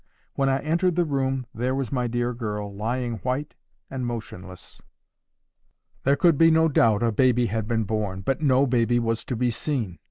When I entered the room, there was my dear girl lying white and motionless. There could be no doubt a baby had been born, but no baby was to be seen.